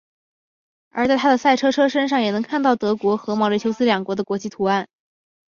而在他的赛车车身上也能看到德国和毛里求斯两国的国旗图案。